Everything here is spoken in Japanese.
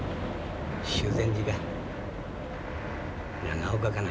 修善寺か？